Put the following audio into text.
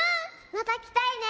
またきたいね。